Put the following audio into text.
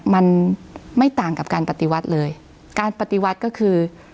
มันไม่ต่างกับการปฏิวัติเลยการปฏิวัติก็คือ